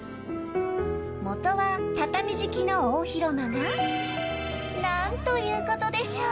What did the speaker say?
元は畳敷きの大広間がなんということでしょう。